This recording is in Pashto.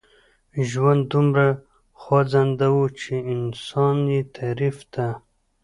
ژوند دومره خوځنده و چې انسان يې تعريف ته.